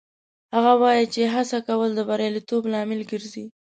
هغه وایي چې هڅه کول د بریالیتوب لامل ګرځي